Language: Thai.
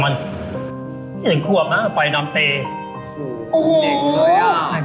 มันเห็นขวบน่ะปล่อยนอนเปลี่ยน